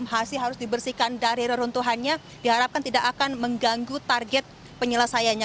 hasil harus dibersihkan dari reruntuhannya diharapkan tidak akan mengganggu target penyelesaiannya